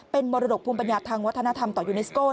เป็นมรดกภูมิปัญญาทางวัฒนธรรมต่อยูเนสโก้